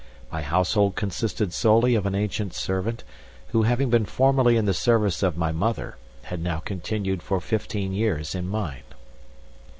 My household consisted solely of an ancient servant, who having been formerly in the service of my mother, had now continued for fifteen years in mine.